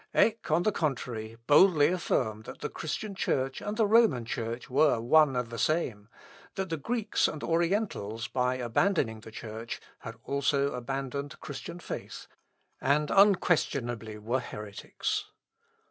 Eck, on the contrary, boldly affirmed that the Christian Church and the Roman Church were one and the same; that the Greeks and Orientals, by abandoning the Church, had also abandoned Christian faith, and unquestionably were heretics.